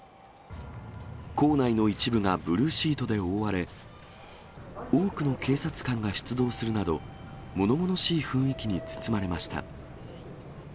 構内の一部がブルーシートで覆われ、多くの警察官が出動するなど、ものものしい雰囲気に包まれました。